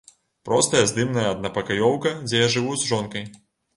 Простая здымная аднапакаёўка, дзе я жыву з жонкай.